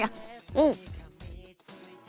うん！